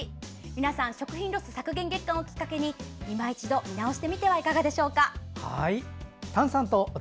皆さん、食品ロス削減月間をきっかけに今一度見直してみてはいかがでしょうか。